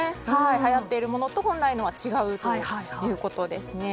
はやっているものと本来のは違うということです。